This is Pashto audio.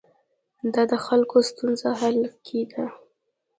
دا د خلکو ستونزو حل کې ده.